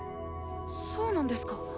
そうなんですか？